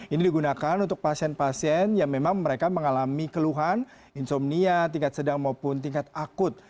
ini digunakan untuk pasien pasien yang memang mereka mengalami keluhan insomnia tingkat sedang maupun tingkat akut